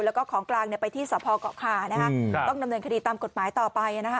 แล้วก็ของกลางไปที่สพเกาะคานะคะต้องดำเนินคดีตามกฎหมายต่อไปนะคะ